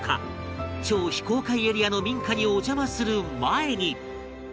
超非公開エリアの民家にお邪魔する前に